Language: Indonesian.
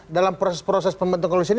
dalam proses proses pembentuk koalisi ini